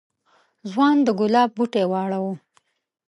ځوان د گلاب بوټی واړاوه.